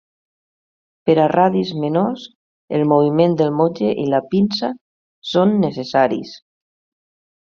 Per a radis menors, el moviment del motlle i la pinça són necessaris.